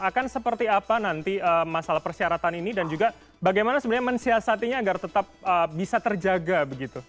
akan seperti apa nanti masalah persyaratan ini dan juga bagaimana sebenarnya mensiasatinya agar tetap bisa terjaga begitu